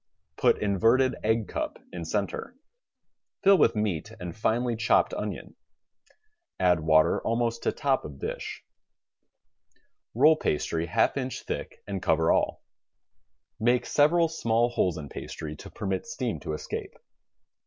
Put inverted egg cup in center. FiU with meat and finely chopped onion. Add water almost to top of dish. Roll pastry half inch thick and cover all. Make several small holes in pastry to permit steam to escape.